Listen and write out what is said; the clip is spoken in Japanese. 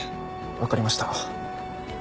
分かりました。